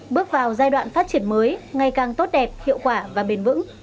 bước vào giai đoạn phát triển mới ngày càng tốt đẹp hiệu quả và bền vững